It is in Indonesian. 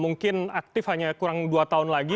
mungkin aktif hanya kurang dua tahun lagi